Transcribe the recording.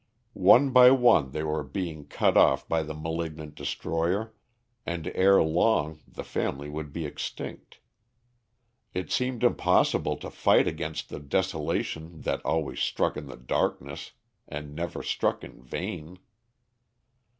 One by one they were being cut off by the malignant destroyer, and ere long the family would be extinct. It seemed impossible to fight against the desolation that always struck in the darkness, and never struck in vain.